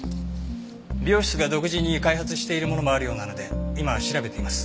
美容室が独自に開発しているものもあるようなので今調べています。